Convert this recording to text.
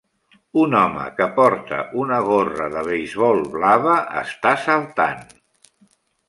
Un home que porta una gorra de beisbol blava està saltant.